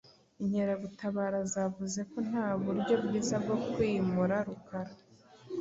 Inkeragutabara zavuze ko nta buryo bwiza bwo kwimura Rukara.